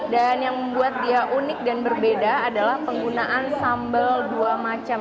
dan yang membuat dia unik dan berbeda adalah penggunaan sambal dua macam